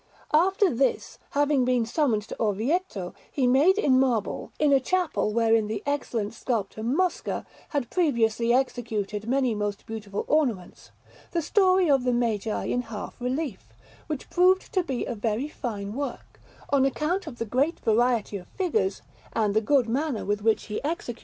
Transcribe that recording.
After this, having been summoned to Orvieto, he made in marble, in a chapel wherein the excellent sculptor Mosca had previously executed many most beautiful ornaments, the story of the Magi in half relief, which proved to be a very fine work, on account of the great variety of figures and the good manner with which he executed them.